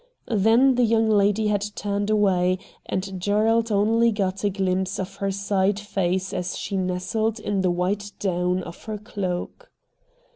Then the young lady had turned away, and Gerald only got a glimpse of her side face as she nestled in the white down of her cloak.